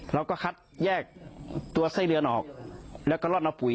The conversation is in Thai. เราก็คัดแยกตัวไส้เดือนออกแล้วก็รอดมาปุ๋ย